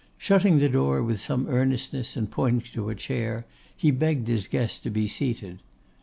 Shutting the door with some earnestness and pointing to a chair, he begged his guest to be seated.